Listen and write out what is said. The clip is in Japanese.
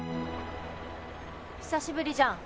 久しぶりじゃん。